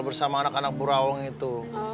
bersama anak anak burawang itu